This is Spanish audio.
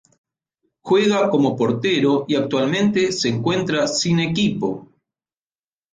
Juega como portero y actualmente se encuentra sin equipo.